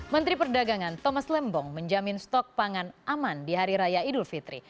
menteri perdagangan thomas lembong menjamin stok pangan aman di hari raya idul fitri